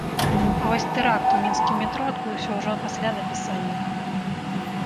А вось тэракт у мінскім метро адбыўся ўжо пасля напісання.